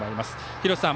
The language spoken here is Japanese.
廣瀬さん